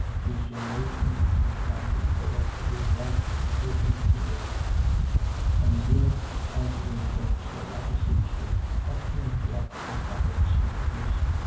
His generation who shall declare, for his life shall be taken from the earth? 8:34. And the eunuch answering Philip, said: I beseech thee, of whom doth the prophet speak this?